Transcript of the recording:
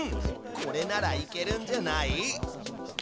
これならいけるんじゃない？